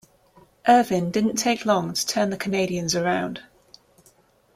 Irvin didn't take long to turn the Canadiens around.